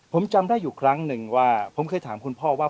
ผมจำได้อยู่ครั้งหนึ่งว่าผมเคยถามคุณพ่อว่า